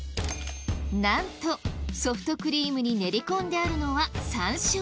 なんとソフトクリームに練り込んであるのは山椒